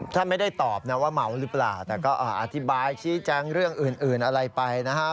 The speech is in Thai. ท่านไม่ได้ตอบนะว่าเมาหรือเปล่าแต่ก็อธิบายชี้แจงเรื่องอื่นอะไรไปนะฮะ